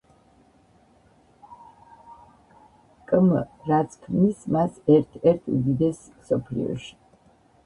კმ, რაც ქმნის მას ერთ-ერთ უდიდესს მსოფლიოში.